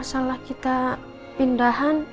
masalah kita pindahan